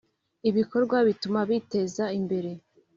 ibikorwa bituma biteza imbere